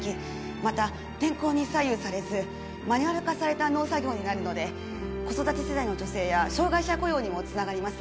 また天候に左右されずマニュアル化された農作業になるので子育て世代の女性や障害者雇用にもつながります